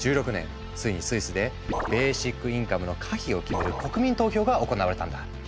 ついにスイスでベーシックインカムの可否を決める国民投票が行われたんだ。